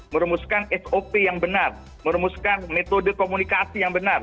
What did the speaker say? meremuskan sop yang benar meremuskan metode komunikasi yang benar